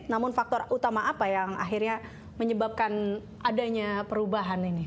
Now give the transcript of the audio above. namun faktor utama apa yang akhirnya menyebabkan adanya perubahan ini